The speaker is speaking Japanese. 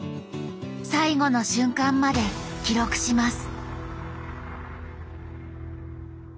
最後の瞬間まで記録します